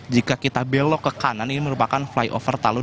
jika kita belok ke kanan ini merupakan flyover talen